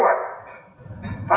thành phố cho